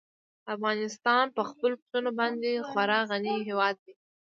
افغانستان په خپلو پسونو باندې خورا غني هېواد دی.